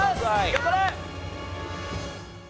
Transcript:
頑張れ！